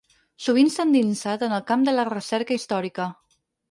Sovint s’ha endinsat en el camp de la recerca històrica.